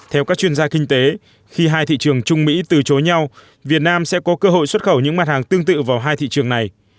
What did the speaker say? theo các chuyên gia kinh tế khi hai thị trường trung mỹ từ chối nhau việt nam sẽ có cơ hội xuất khẩu những mặt hàng tương tự vào hai thị trường này